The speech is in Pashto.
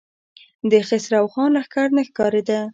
د خسرو خان لښکر نه ښکارېده.